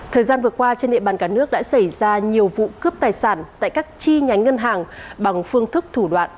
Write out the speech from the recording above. thời gian vừa qua trên địa bàn cả nước đã xảy ra nhiều vụ cướp tài sản tại các chi nhánh ngân hàng bằng phương thức thủ đoạn